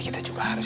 kita juga harus